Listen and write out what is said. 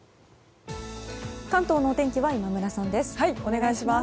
関東のお天気は今村さんです。